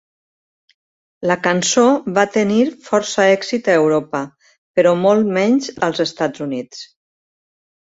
La cançó va tenir força èxit a Europa, però molt menys als Estats Units.